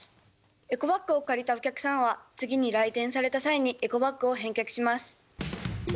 エコバッグを借りたお客さんは次に来店された際にエコバッグを返却します。